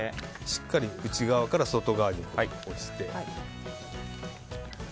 しっかり内側から外側に押して。